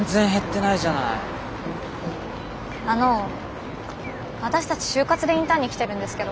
あの私たち就活でインターンに来てるんですけど。